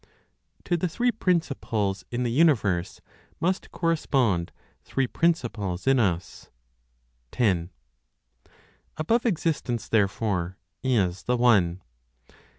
TO THE THREE PRINCIPLES IN THE UNIVERSE MUST CORRESPOND THREE PRINCIPLES IN US. 10. Above existence, therefore, is the One.